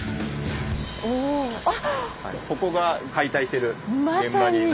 ここが解体してる現場になります。